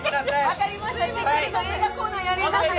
分かりました、映画コーナーやりますよ。